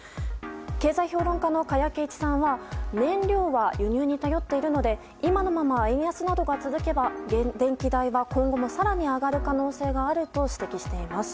経済評論家の加谷珪一さんは燃料は輸入に頼っているので今のまま円安などが続けば電気代は今後も更に上がる可能性があると指摘しています。